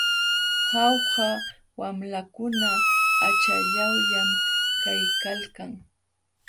Jauja wamlakuna achallawllam kaykalkan.